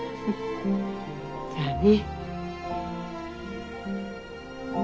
じゃあね。